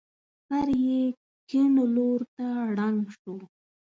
سر يې کيڼ لور ته ړنګ شو.